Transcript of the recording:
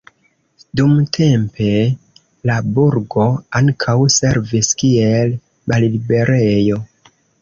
Dumtempe la burgo ankaŭ servis kiel malliberejo.